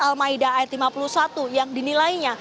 al maida ayat lima puluh satu yang dinilainya